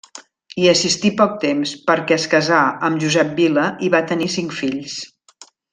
Hi assistí poc temps, perquè es casà amb Josep Vila i va tenir cinc fills.